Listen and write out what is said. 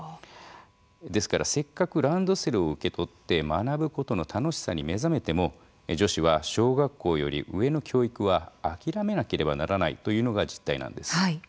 ですからせっかくランドセルを受け取って学ぶことの楽しさに目覚めても女子は小学校より上の教育は諦めなければならないというのが実態なんです。